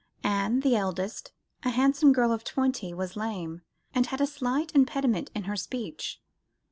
Anne, the eldest, a handsome girl of twenty, was lame, and had a slight impediment in her speech.